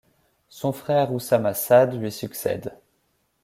Son frère Oussama Saad lui succède.